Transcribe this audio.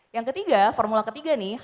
yang ketiga formula ketiga nih